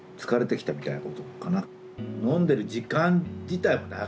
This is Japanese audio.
飲んでる時間自体も長いしね。